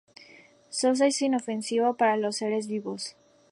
Sosa, Es inofensivo para los seres vivos.